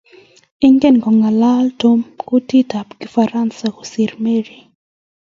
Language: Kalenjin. ingen kongalal tom kutitab kifaransa kosiir Mary